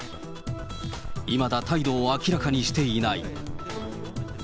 いまだ態度を明らかにしていない。